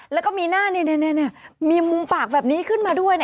แล้วก็มีหน้ามีมุมปากแบบนี้ขึ้นมาด้วย